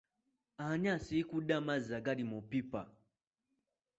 Ani asiikudde amazzi agali mu pipa?